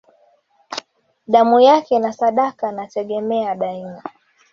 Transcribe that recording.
Damu yake na sadaka nategemea daima